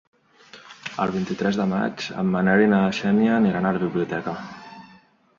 El vint-i-tres de maig en Manel i na Xènia aniran a la biblioteca.